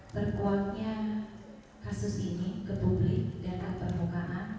terkuatnya kasus ini ke publik dan ke permukaan